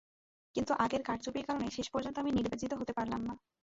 কিন্তু আগের কারচুপির কারণে শেষ পর্যন্ত আমি নির্বাচিত হতে পারলাম না।